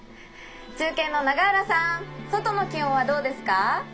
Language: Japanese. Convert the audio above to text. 中継の永浦さん外の気温はどうですか？」。